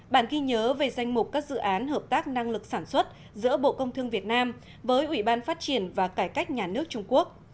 bản ghi nhớ về danh mục các dự án hợp tác năng lực sản xuất giữa bộ công thương việt nam với ủy ban phát triển và cải cách nhà nước trung quốc